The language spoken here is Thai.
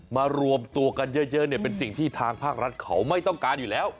มารวมตัวกันเยอะเนี่ยเป็นสิ่งที่ทางภาครัฐเขาไม่ต้องการอยู่แล้ว